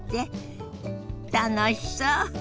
楽しそう。